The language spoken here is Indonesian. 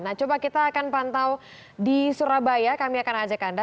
nah coba kita akan pantau di surabaya kami akan ajak anda